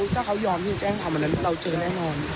ถ้าเขายอมที่จะแจ้งความวันนั้นเราเจอแน่นอน